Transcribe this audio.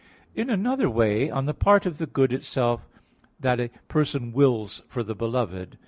In another way on the part of the good itself that a person wills for the beloved.